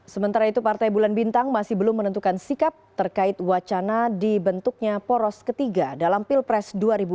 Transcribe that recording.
sementara itu partai bulan bintang masih belum menentukan sikap terkait wacana dibentuknya poros ketiga dalam pilpres dua ribu dua puluh